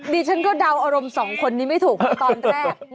ดิฉันก็เดาอารมณ์สองคนนี้ไม่ถูกตอนแรก